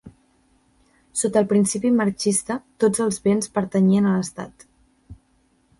Sota el principi marxista tots els béns pertanyien a l'Estat.